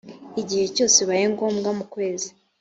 igihe cyose bibaye ngombwa mu kwezi